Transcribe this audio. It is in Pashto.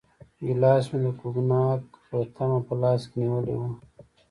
ګیلاس مې د کوګناک په تمه په لاس کې نیولی و.